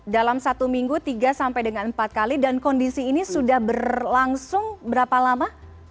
dalam satu minggu tiga sampai dengan empat kali dan kondisi ini sudah berlangsung berapa lama